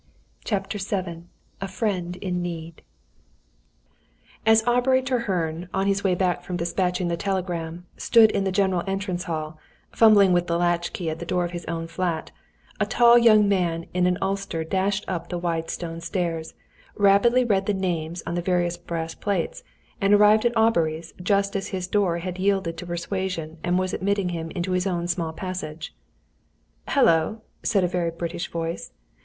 CHAPTER VII A FRIEND IN NEED As Aubrey Treherne, on his way back from despatching the telegram, stood in the general entrance hall, fumbling with the latch key at the door of his own flat, a tall young man in an ulster dashed up the wide stone stairs, rapidly read the names on the various brass plates, and arrived at Aubrey's just as his door had yielded to persuasion and was admitting him into his own small passage. "Hullo," said a very British voice.